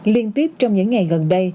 liên tiếp trong những ngày gần đây